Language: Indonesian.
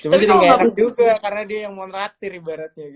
cuma jadi gak enak juga karena dia yang mau ngeratir ibaratnya gitu